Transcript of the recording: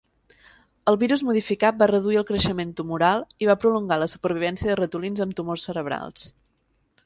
El virus modificat va reduir el creixement tumoral i va prolongar la supervivència de ratolins amb tumors cerebrals.